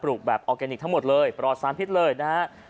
แบบออร์แกนิคทั้งหมดเลยปลอดสารพิษเลยนะฮะ